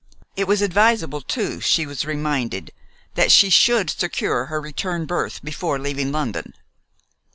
It was advisable too, she was reminded, that she should secure her return berth before leaving London.